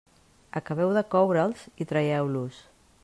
Acabeu de coure'ls i traieu-los.